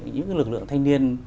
những cái lực lượng thanh niên